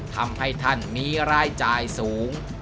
ทำให้ท่านมีรายจ่ายสูง